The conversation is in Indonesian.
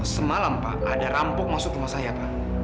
semalam pak ada rampok masuk rumah saya pak